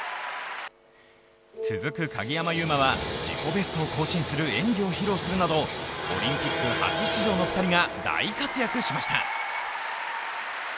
続く鍵山優真は、自己ベストを更新する演技を披露するなどオリンピック初出場の２人が大活躍しました。